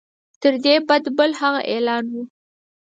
تر دې بد بل هغه اعلان وو.